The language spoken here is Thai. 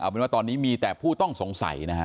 เป็นว่าตอนนี้มีแต่ผู้ต้องสงสัยนะฮะ